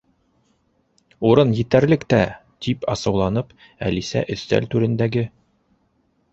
—Урын етерлек тә! —тип асыуланып, Әлисә өҫтәл түрендәге